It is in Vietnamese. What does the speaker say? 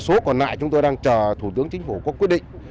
số còn lại chúng tôi đang chờ thủ tướng chính phủ có quyết định